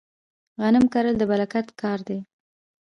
غنم کرل د برکت کار دی.